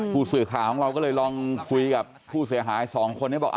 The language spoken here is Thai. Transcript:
ผู้สื่อข่าวของเราก็เลยลองคุยกับผู้เสียหายสองคนนี้บอก